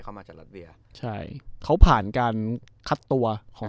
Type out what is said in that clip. มาจากรัสเวียใช่เขาผ่านการคัดตัวของ